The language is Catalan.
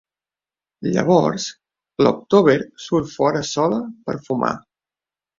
Llavors, l'October surt fora sola per fumar.